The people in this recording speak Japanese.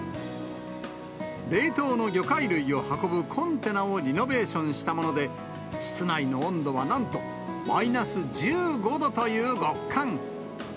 冷凍の魚介類を運ぶコンテナをリノベーションしたもので、室内の温度はなんと、マイナス１５度という極寒。